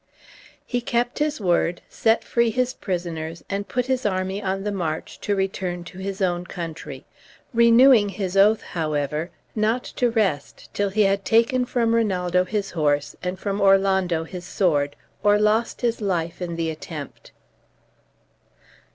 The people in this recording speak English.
He kept his word, set free his prisoners, and put his army on the march to return to his own country, renewing his oath, however, not to rest till he had taken from Rinaldo his horse, and from Orlando his sword, or lost his life in the attempt.